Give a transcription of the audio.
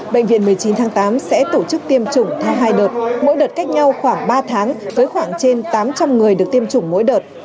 bệnh viện một mươi chín tháng tám sẽ tổ chức tiêm chủng theo hai đợt mỗi đợt cách nhau khoảng ba tháng với khoảng trên tám trăm linh người được tiêm chủng mỗi đợt